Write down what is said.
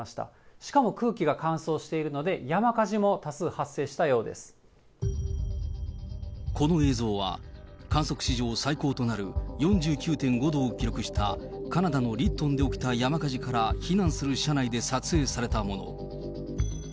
しかも空気が乾燥しているので、この映像は、観測史上最高となる４９．５度を記録したカナダのリットンで起きた山火事から避難する車内で撮影されたもの。